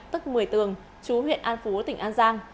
tức một mươi tường chú huyện an phú tỉnh an giang